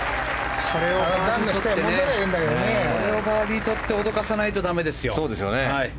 これをバーディー取って脅かさないと駄目ですよ。